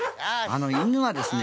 犬はですね